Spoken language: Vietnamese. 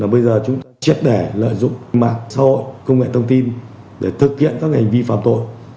bây giờ chúng triệt để lợi dụng mạng xã hội công nghệ thông tin để thực hiện các hành vi phạm tội